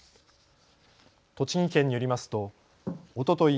栃木県によりますとおととい